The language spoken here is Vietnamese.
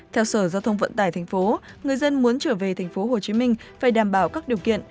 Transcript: theo sở giao thông vận tải thành phố người dân muốn trở về thành phố hồ chí minh phải đảm bảo các điều kiện